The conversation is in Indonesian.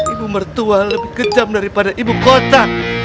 ibu mertua lebih kejam daripada ibu kota